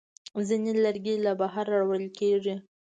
ځینې لرګي له بهره راوړل کېږي.